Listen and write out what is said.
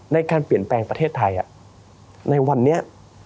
ในการเปลี่ยนแปลงประเทศไทยในวันนี้